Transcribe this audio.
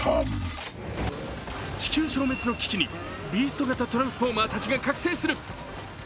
地球消滅の危機にビースト型トランスフォーマーたちが覚醒する。